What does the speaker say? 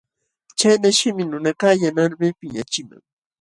Chay ninashimi nunakaq yanqalmi piñaqchiman.